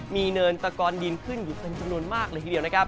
มีเนินตกรดินขึ้นอีกเป็นจำนวนมากในคริเดียว